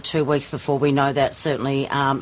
pasti akan bagus untuk kita lihat